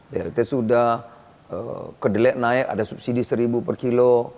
blt sudah kedelai naik ada subsidi seribu per kilo